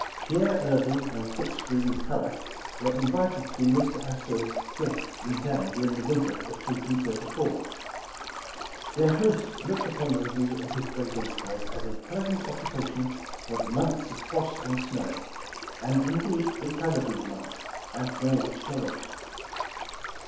Pierre Irving and Fitz Greene Halleck were invited to be Mr. Astor 's guests in town during the win ter of 1834. Their host looked upon the review of his great enterprise as a pleasant occupation for the months of frost and snow, and indeed it covered these months, and more which followed.